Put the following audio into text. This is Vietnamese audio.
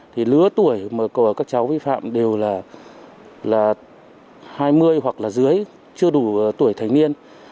thì lứa tuổi của các cháu vi phạm đều là hai mươi hoặc là dưới chưa đủ tuổi thành niên